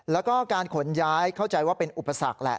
แล้วก็การขนย้ายเข้าใจว่าเป็นอุปสรรคแหละ